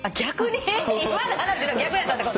今の話逆やったってこと？